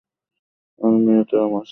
আর, মেহতা মশাই?